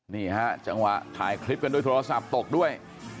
นี่ฮะจังหวะถ่ายคลิปกันด้วยโทรศัพท์ตกด้วย